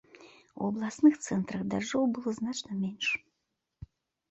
У абласных цэнтрах дажджоў было значна менш.